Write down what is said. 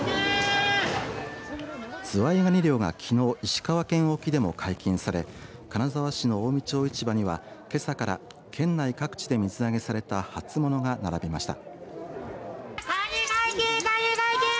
ズワイガニ漁がきのう石川県沖でも解禁され金沢市の近江町市場にはけさから県内各地で水揚げされた初物が並びました。